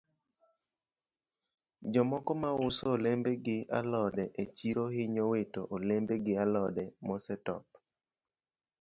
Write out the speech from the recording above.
Jomoko ma uso olembe gi alode e chiro hinyo wito olembe gi alode mosetop.